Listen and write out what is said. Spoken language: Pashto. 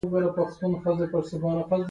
پر تنکۍ ملا یې تڼاکې غرونه